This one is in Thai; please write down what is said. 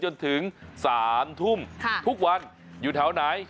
จนถึง๓ทุ่มทุกวันอยู่แถวไหน